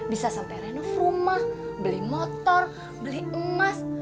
bisa sampai renuf rumah beli motor beli emas